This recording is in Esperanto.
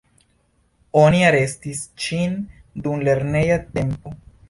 Oni arestis ŝin dum lerneja tempo.